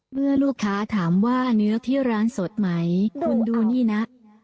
เมื่อลูกค้าถามว่าเนื้อที่ร้านสดไหมคุณดูนี่นะ